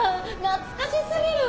懐かしすぎる！